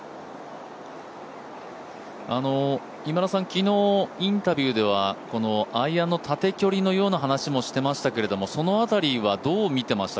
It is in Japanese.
昨日、インタビューではアイアンの縦距離のような話もしてましたけどその辺りはどう話してました？